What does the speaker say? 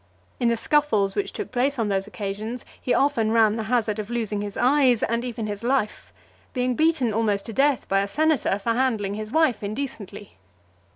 In the scuffles which took place on those occasions, he often ran the hazard of losing his eyes, and even his life; being beaten almost to death by a senator, for handling his wife indecently.